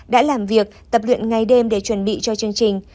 đã làm việc tập luyện ngày đêm để chuẩn bị cho chương trình